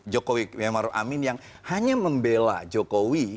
jokowi yang hanya membela jokowi